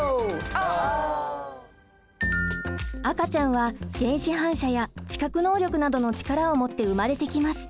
赤ちゃんは原始反射や知覚能力などの力を持って生まれてきます。